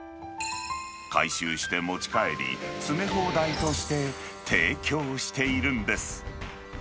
回収して持ち帰り、詰め放題として提供しているんです。